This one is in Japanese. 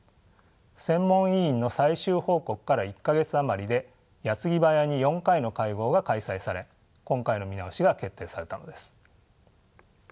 専門委員の最終報告から１か月余りで矢継ぎ早に４回の会合が開催され今回の見直しが決定されたのです。